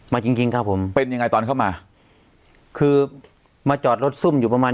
จริงจริงครับผมเป็นยังไงตอนเข้ามาคือมาจอดรถซุ่มอยู่ประมาณ